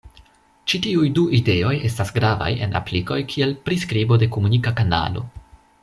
Ĉi tiuj du ideoj estas gravaj en aplikoj kiel priskribo de komunika kanalo.